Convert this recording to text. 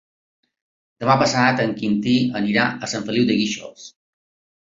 Demà passat en Quintí anirà a Sant Feliu de Guíxols.